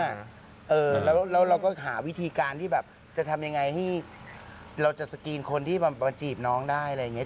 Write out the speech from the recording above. แล้วเราก็หาวิธีการที่แบบจะทำยังไงให้เราจะสกรีนคนที่มาจีบน้องได้อะไรอย่างนี้